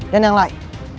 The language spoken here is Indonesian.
dan yang lain